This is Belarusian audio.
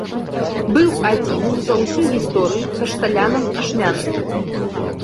Быў адзіным за ўсю гісторыю кашталянам ашмянскім.